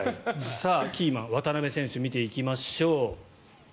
キーマン、渡邊選手見ていきましょう。